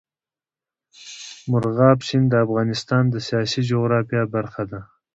مورغاب سیند د افغانستان د سیاسي جغرافیه برخه ده.